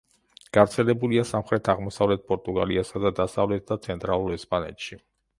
გავრცელებულია სამხრეთ-აღმოსავლეთ პორტუგალიასა და დასავლეთ და ცენტრალურ ესპანეთში.